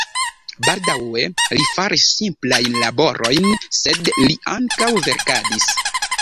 Baldaŭe li faris simplajn laborojn, sed li ankaŭ verkadis.